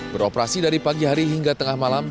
beroperasi dari pagi hari hingga tengah malam